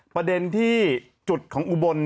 ประเด็นที่จุดของอุบล